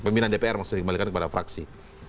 pimpinan dpr maksudnya dikembalikan kepada fraksi